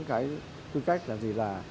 cái tư cách là gì là